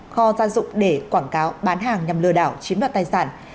kho gia dụng để quảng cáo bán hàng nhằm lừa đảo chiếm đoạt tài sản